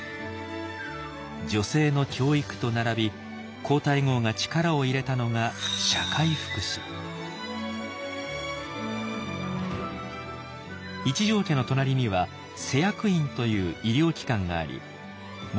女性の教育と並び皇太后が力を入れたのが一条家の隣には施薬院という医療機関があり物